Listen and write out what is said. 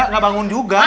enggak bangun juga